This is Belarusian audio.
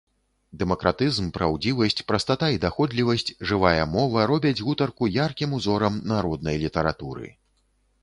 Дэмакратызм, праўдзівасць, прастата і даходлівасць, жывая мова робяць гутарку яркім узорам народнай літаратуры.